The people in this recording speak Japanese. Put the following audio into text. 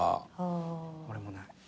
俺もない。